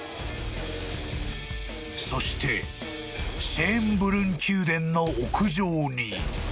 ［そしてシェーンブルン宮殿の屋上に］